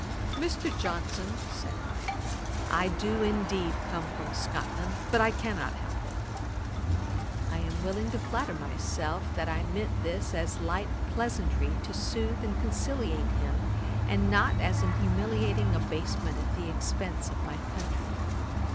'Mr. Johnson, (said I) I do indeed come from Scotland, but I cannot help it.' I am willing to flatter myself that I meant this as light pleasantry to sooth and conciliate him, and not as an humiliating abasement at the expence of my country.